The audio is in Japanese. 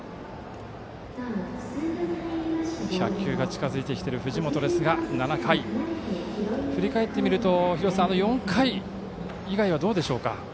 １００球が近づいている藤本ですが７回、振り返ってみると廣瀬さんあの４回以外はどうでしょう。